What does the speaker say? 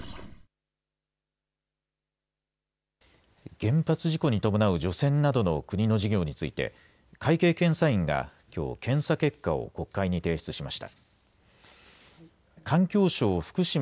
原発事故に伴う除染などの国の事業について、会計検査院がきょう、検査結果を国会に提出しました。